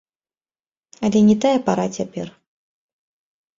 Але не тая пара цяпер!